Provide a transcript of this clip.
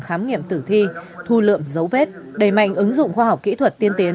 khám nghiệm tử thi thu lượm dấu vết đẩy mạnh ứng dụng khoa học kỹ thuật tiên tiến